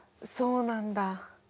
そうなんだ。